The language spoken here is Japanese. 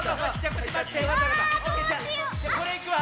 これいくわ。